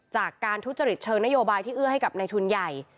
จากการทุจริตเชิงนโยบายที่เอื้อให้กับในทุนใหญ่